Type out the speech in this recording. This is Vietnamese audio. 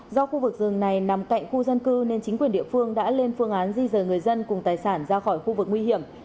do khu vực rừng này nằm cạnh khu dân cư nên chính quyền địa phương đã lên phương án di rời người dân cùng tài sản ra khỏi khu vực nguy hiểm